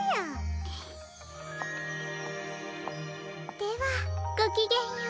ではごきげんよう。